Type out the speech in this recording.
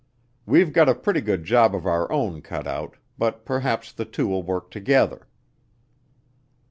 We've got a pretty good job of our own cut out, but perhaps the two will work together."